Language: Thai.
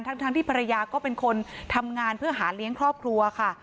ทั้งที่ภรรยาก็เป็นคนทำงานเพื่อหาเลี้ยงครอบครัวค่ะ